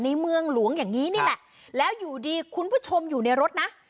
เมืองหลวงอย่างนี้นี่แหละแล้วอยู่ดีคุณผู้ชมอยู่ในรถนะ